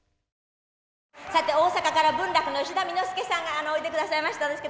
さて大阪から文楽の吉田簑助さんがおいでくださいましたんですけど。